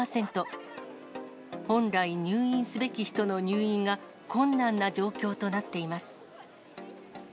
本来、入院すべき人の入院が困難な状況となっています。